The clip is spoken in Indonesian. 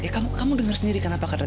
kamu keluaran kemana sih